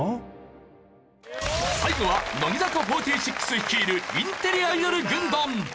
最後は乃木坂４６率いるインテリアイドル軍団。